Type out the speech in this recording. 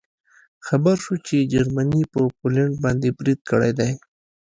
خبر شوو چې جرمني په پولنډ باندې برید کړی دی